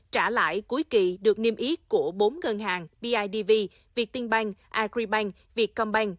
trả lại cuối kỳ được niêm ý của bốn ngân hàng bidv việt tinh bank agribank việt combank